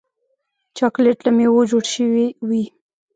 چاکلېټ له میوو جوړ شوی وي.